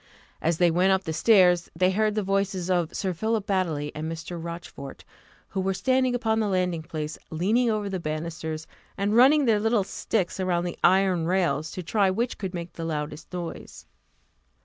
As they went up the stairs, they heard the voices of Sir Philip Baddely and Mr. Rochfort, who were standing upon the landing place, leaning over the banisters, and running their little sticks along the iron rails, to try which could make the loudest noise.